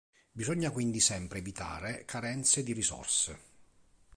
Bisogna quindi sempre evitare carenze di risorse.